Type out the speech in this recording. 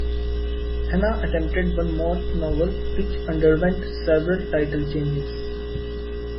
Hannah attempted one more novel, which underwent several title changes.